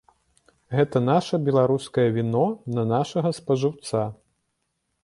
Гэта наша беларускае віно, на нашага спажыўца.